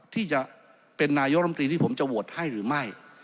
ที่จะเป็นนายกรรมตรีที่ผมจะโหวตให้หรือไม่